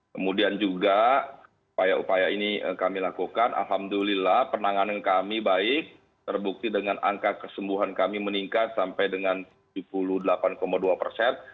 kemudian juga upaya upaya ini kami lakukan alhamdulillah penanganan kami baik terbukti dengan angka kesembuhan kami meningkat sampai dengan tujuh puluh delapan dua persen